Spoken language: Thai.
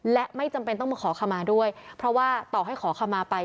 และไม่จำเป็นต้องมาขอขมาด้วยเพราะว่าต่อให้ขอคำมาไป